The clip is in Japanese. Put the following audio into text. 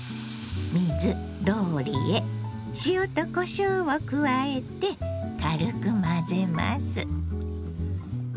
水ローリエ塩とこしょうを加えて軽く混ぜます。